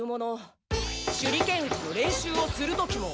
手裏剣打ちの練習をする時も。